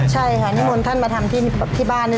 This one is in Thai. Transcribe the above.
ใช่ค่ะนิมนต์ท่านมาทำที่บ้านด้วย